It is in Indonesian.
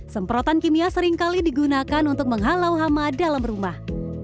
semprotan kimia seringkali digunakan untuk menghalau hama dalam rumah